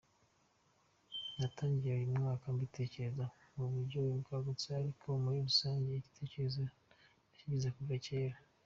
Natangiye uyu mwaka mbitekerezaho mu buryo bwagutse ariko muri rusange igitekerezo nakigize kuva kera.